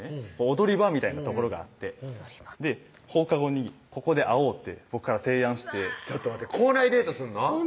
踊り場みたいな所があって踊り場「放課後にここで会おう」って僕から提案してちょっと待って校内デートすんの？